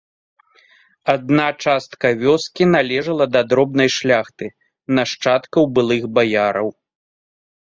Адна частка вёскі належала да дробнай шляхты, нашчадкаў былых баяраў.